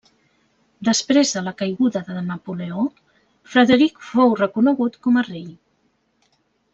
Després de la caiguda de Napoleó, Frederic fou reconegut com a rei.